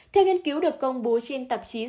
theo nghiên cứu được công bố trên tạp chí